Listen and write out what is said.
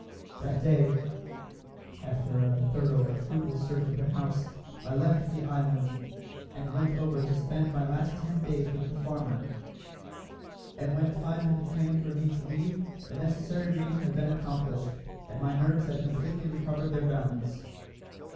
That day, after a thorough and fruitless search of the house, I left the island, and went over to spend my last ten days with the farmer; and when the time came for me to leave, the necessary reading had been accomplished, and my nerves had completely recovered their balance.